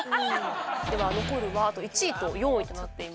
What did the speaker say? では残るはあと１位と４位となっています。